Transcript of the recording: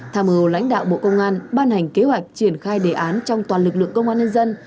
tham mưu lãnh đạo bộ công an ban hành kế hoạch triển khai đề án trong toàn lực lượng công an nhân dân